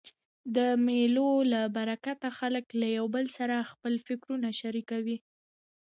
د مېلو له برکته خلک له یو بل سره خپل فکرونه شریکوي.